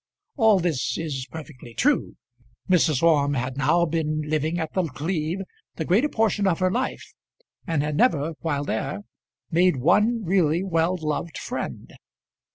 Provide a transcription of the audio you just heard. All this is perfectly true. Mrs. Orme had now been living at The Cleeve the greater portion of her life, and had never while there made one really well loved friend.